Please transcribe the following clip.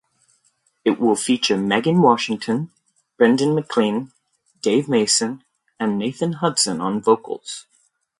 It will feature Megan Washington, Brendan Maclean, Dave Mason and Nathan Hudson on vocals.